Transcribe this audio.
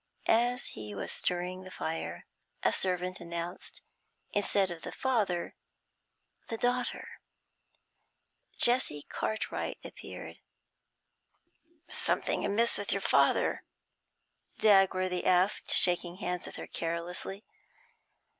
As he was stirring the fire a servant announced instead of the father, the daughter. Jessie Cartwright appeared. 'Something amiss with your father?' Dagworthy asked, shaking hands with her carelessly.